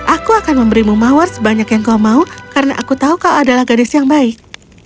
aku akan memberimu mawar sebanyak yang kau mau karena aku tahu kau adalah gadis yang baik